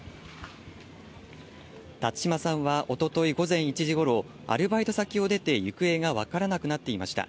辰島さんはおととい午前１時ごろ、アルバイト先を出て行方が分からなくなっていました。